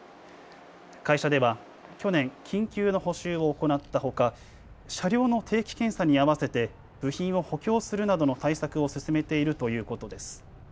会社では去年、緊急の補修を行ったほか車両の定期検査に合わせて部品を補強するなどの対策を進めているということです。